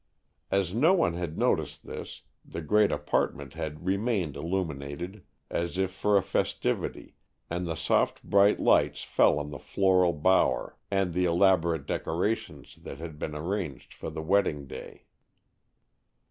As no one had noticed this, the great apartment had remained illuminated as if for a festivity, and the soft, bright lights fell on the floral bower and the elaborate decorations that had been arranged for the wedding day.